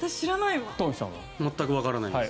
全くわからないです。